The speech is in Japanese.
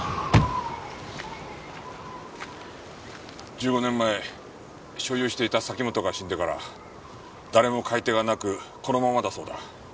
１５年前所有していた崎本が死んでから誰も買い手がなくこのままだそうだ。